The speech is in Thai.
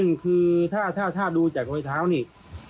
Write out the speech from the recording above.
และก็คือว่าถึงแม้วันนี้จะพบรอยเท้าเสียแป้งจริงไหม